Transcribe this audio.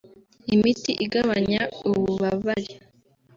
imiti igabanya ububabare